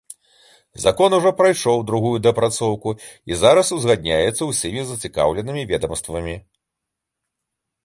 Закон ужо прайшоў другую дапрацоўку і зараз узгадняецца ўсімі зацікаўленымі ведамствамі.